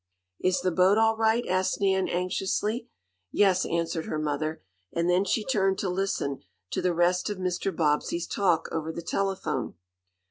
"Is the boat all right?" asked Nan, anxiously. "Yes," answered her mother, and then she turned to listen to the rest of Mr. Bobbsey's talk over the telephone.